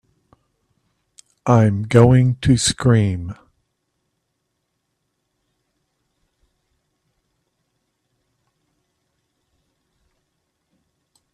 I'm going to scream!